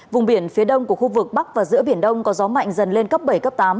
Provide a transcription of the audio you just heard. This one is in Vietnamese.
vùng biển phía đông của khu vực bắc và giữa biển đông có gió mạnh dần lên cấp bảy cấp tám